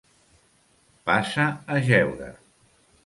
Passa a jeure!